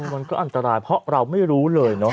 มันก็อันตรายเพราะเราไม่รู้เลยเนอะ